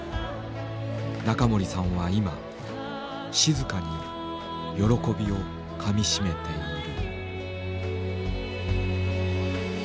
仲盛さんは今静かに喜びをかみしめている。